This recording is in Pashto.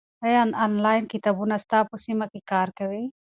ایا آنلاین کتابتونونه ستا په سیمه کې کار کوي؟